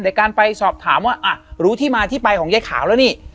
การไปสอบถามว่าอ่ะรู้ที่มาที่ไปของยายขาวแล้วนี่